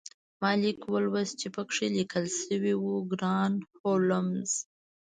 ما لیک ولوست چې پکې لیکل شوي وو ګران هولمز